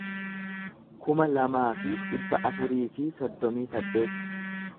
kuma lamaa fi dhibba afurii fi soddomii saddeet